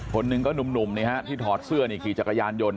คนหนึ่งก็หนุ่มที่ถอดเสื้อนี่ขี่จักรยานยนต์